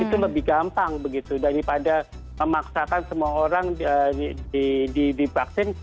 itu lebih gampang begitu daripada memaksakan semua orang divaksin